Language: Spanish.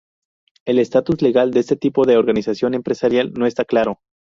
El estatus legal de este tipo de organización empresarial no está claro.